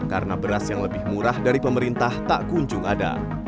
karena beras yang lebih murah dari pemerintah tak kunjung ada